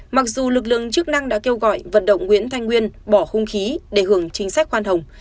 mặc dù lực lượng chức năng đã kêu gọi vận động nguyễn thanh nguyên bỏ hung khí để hưởng chính sách khoan hồng